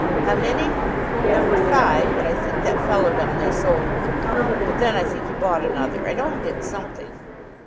"How many? There were five, but I think that fellow down there sold one; but then I think he bought another. I know he did something."